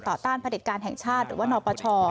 ต่อต้านผลิตการแห่งชาติหรือว่านปช